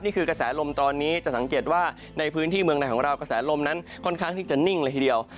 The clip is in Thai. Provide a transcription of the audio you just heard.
กระแสลมตอนนี้จะสังเกตว่าในพื้นที่เมืองในของเรากระแสลมนั้นค่อนข้างที่จะนิ่งเลยทีเดียว